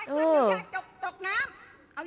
เออ